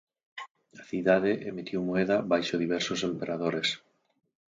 A cidade emitiu moeda baixo diversos emperadores.